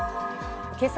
けさ、